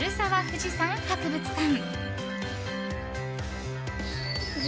富士山博物館。